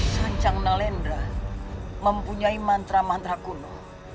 sanjang nelendra mempunyai mantra mantra kuno